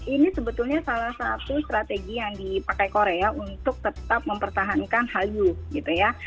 ini sebetulnya salah satu strategi yang dipakai korea untuk tetap mempertahankan hallyu gitu ya